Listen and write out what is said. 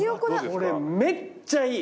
これめっちゃいい！